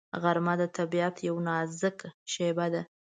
غرمه د طبیعت یو نازک شېبه ده